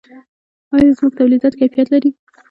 آیا زموږ تولیدات کیفیت لري؟